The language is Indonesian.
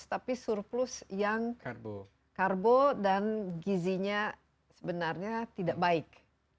tapi surplus yang karbo dan gizinya sebenarnya tidak baik